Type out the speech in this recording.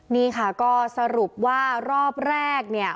นี่ค่ะก็สรุปว่ารอบแรกเนี่ย